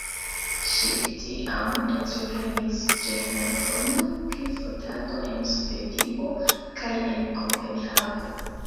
Ŝi tiam entreprenis trejnadon pri fotado en Svedio kaj en Kopenhago.